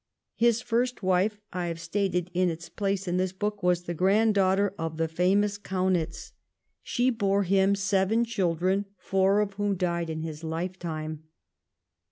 His first wife, I have stated in its place in this book, was the grand daughter of the famous Kaunitz, She bore him seven children, four of whom died in his lifetime.